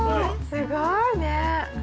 すごいね。